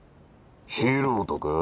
素人か？